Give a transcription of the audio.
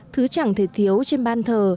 thứ chẳng thể thiếu trên ban thờ